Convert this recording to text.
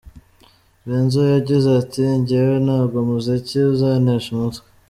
Benzo yagize ati: “Njyewe ntabwo umuziki uzantesha umutwe.